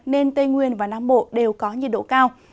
nên tây nguyên và nam bộ đều có nhiệt độ cao